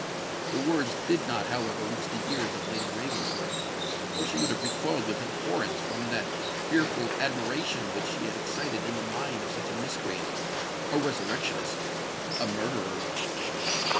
The words did not, however, reach the ears of Lady Ravensworth,—or she would have recoiled with abhorrence from that fearful admiration which she had excited in the mind of such a miscreant—a resurrectionist—a murderer!